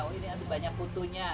oh ini ada banyak putuhnya